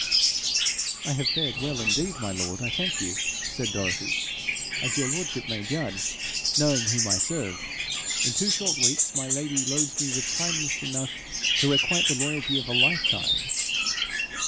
'I have fared well indeed, my lord, I thank you,' said Dorothy, 'as your lordship may judge, knowing whom I serve. In two short weeks my lady loads me with kindness enough to requite the loyalty of a life.'